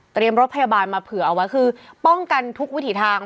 รถพยาบาลมาเผื่อเอาไว้คือป้องกันทุกวิถีทาง